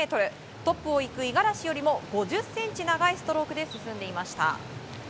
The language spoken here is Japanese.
トップを行く五十嵐よりも５０ｃｍ長いストロークで進んでいました。